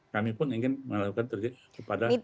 kami pun ingin melakukan terdiri kepada masyarakat